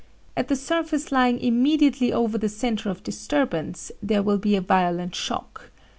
At the surface lying immediately over the centre of disturbance there will be a violent shock.